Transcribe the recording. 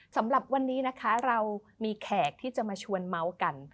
สำหรับวันนี้นะคะเรามีแขกที่จะมาชวนเมาส์กัน